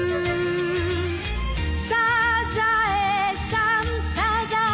「サザエさんサザエさん」